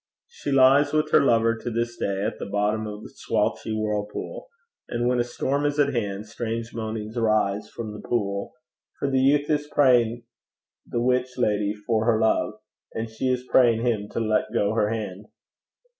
She lies with her lover to this day at the bottom of the Swalchie whirlpool; and when a storm is at hand, strange moanings rise from the pool, for the youth is praying the witch lady for her love, and she is praying him to let go her hand.